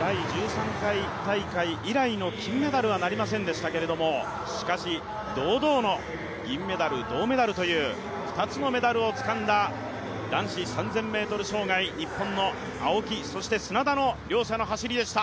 第１３回大会以来の金メダルはなりませんでしたけれども、しかし堂々の銀メダル、銅メダルという２つのメダルをつかんだ男子３０００ｍ障害、日本の青木・砂田の走りでした。